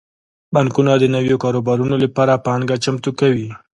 بانکونه د نویو کاروبارونو لپاره پانګه چمتو کوي.